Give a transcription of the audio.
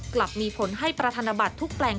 กลับมีผลให้ประธนบัตรทุกแปลง